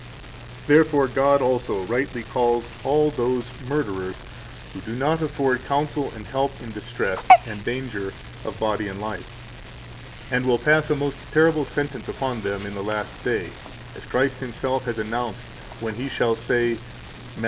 191 Therefore God also rightly calls all those murderers who do not afford counsel and help in distress and danger of body and life, and will pass a most terrible sentence upon them in the last day, as Christ Himself has announced when He shall say, Matt.